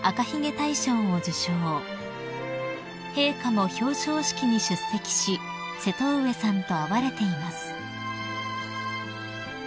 ［陛下も表彰式に出席し瀬戸上さんと会われています］